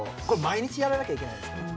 これ毎日やらなきゃいけないんです。